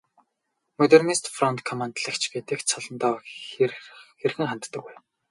Модернист фронт командлагч гэдэг цолондоо хэрхэн ханддаг вэ?